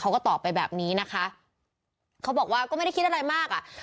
เขาก็ตอบไปแบบนี้นะคะเขาบอกว่าก็ไม่ได้คิดอะไรมากอ่ะ